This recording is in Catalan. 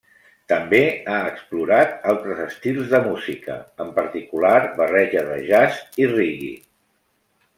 També ha explorat altres estils de música, en particular barreja de jazz i reggae.